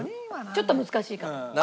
ちょっと難しいかも。